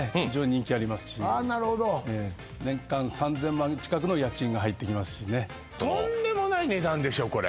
非常に人気ありますし年間３０００万近くの家賃が入ってきますしねとんでもない値段でしょ